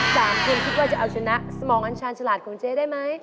สามคนคิดว่าจะเอาชนะสมองอันชาญฉลาดของเจ๊ได้ไหม